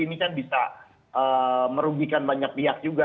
ini kan bisa merugikan banyak pihak juga